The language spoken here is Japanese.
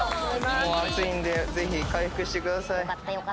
暑いんでぜひ回復してください。